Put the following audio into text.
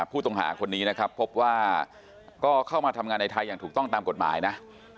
ผู้ต้องหาคนนี้นะครับพบว่าก็เข้ามาทำงานในไทยอย่างถูกต้องตามกฎหมายนะ